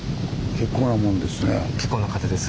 結構な風です。